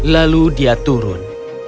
lalu dia turun